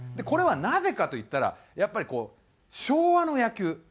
これはなぜかといったらやっぱりこう昭和の野球。